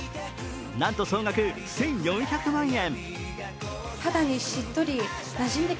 なんと総額１４００万円。